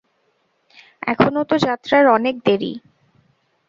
এখনো তো যাত্রার অনেক দেরি।